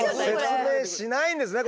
説明しないんですね